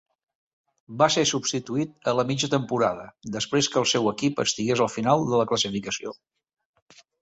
Va ser substituït a la mitja temporada després que el seu equip estigués al final de la classificació.